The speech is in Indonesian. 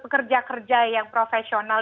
kerja kerja yang profesional